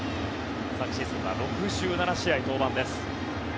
昨シーズンは６７試合に登板です。